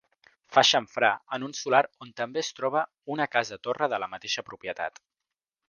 Fa xamfrà en un solar on també es troba una casa-torre de la mateixa propietat.